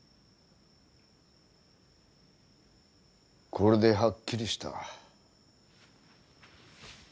これではっきりした。